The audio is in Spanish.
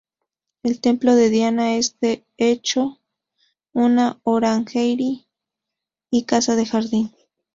El templo de Diana es de hecho una orangerie y casa de jardín.